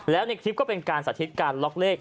แล้วในคลิปก็เป็นการสาธิตการล็อกเลข